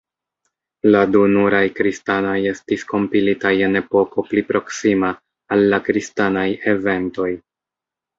La du nuraj kristanaj estis kompilitaj en epoko pli proksima al la kristanaj eventoj.